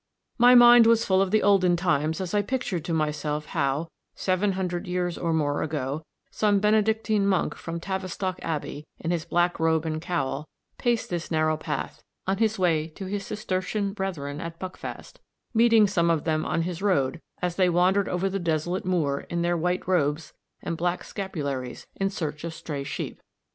My mind was full of the olden times as I pictured to myself how, seven hundred years or more ago, some Benedictine monk from Tavistock Abbey, in his black robe and cowl, paced this narrow path on his way to his Cistercian brethren at Buckfast, meeting some of them on his road as they wandered over the desolate moor in their white robes and black scapularies in search of stray sheep.